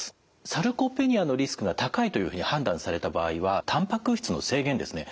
サルコペニアのリスクが高いというふうに判断された場合はたんぱく質の制限ですね